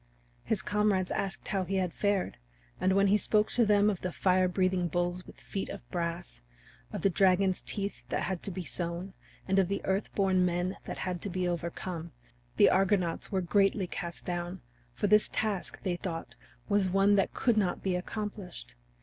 His comrades asked how he had fared, and when he spoke to them of the fire breathing bulls with feet of brass, of the dragon's teeth that had to be sown, and of the Earth born Men that had to be overcome, the Argonauts were greatly cast down, for this task, they thought, was one that could not be accomplished.